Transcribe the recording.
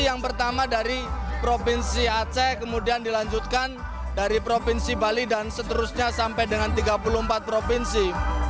yang pertama dari provinsi aceh kemudian dilanjutkan dari provinsi bali dan seterusnya sampai dengan tiga puluh empat provinsi